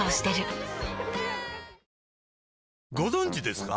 ご存知ですか？